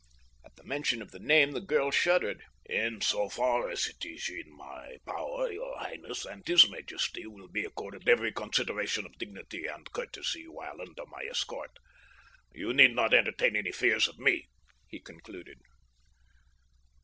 At the mention of the name the girl shuddered. "In so far as it is in my power your highness and his majesty will be accorded every consideration of dignity and courtesy while under my escort. You need not entertain any fear of me," he concluded.